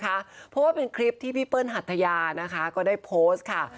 เพราะว่าเป็นคลิปที่พี่เปิ้ลหัทยานะคะก็ได้โพสต์ค่ะ